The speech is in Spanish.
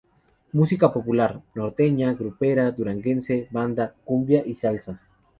Música popular: norteña, grupera, duranguense, banda, cumbia y salsa.